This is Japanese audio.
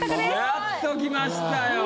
やっときましたよ。